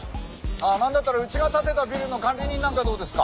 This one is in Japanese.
あなんだったらうちが建てたビルの管理人なんかどうですか？